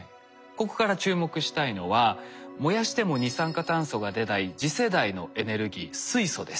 ここから注目したいのは燃やしても二酸化炭素が出ない次世代のエネルギー水素です。